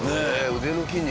腕の筋肉